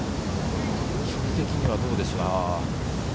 距離的にはどうでしょうか？